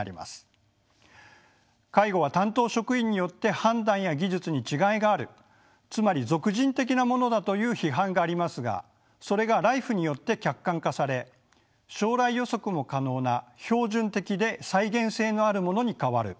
介護は担当職員によって判断や技術に違いがあるつまり属人的なものだという批判がありますがそれがＬＩＦＥによって客観化され将来予測も可能な標準的で再現性のあるものに変わる